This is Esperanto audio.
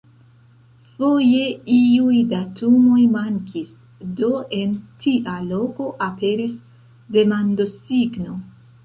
Foje iuj datumoj mankis, do en tia loko aperis demandosigno.